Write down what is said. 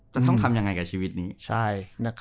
ต้องทำยังไงกับชีวิตนี้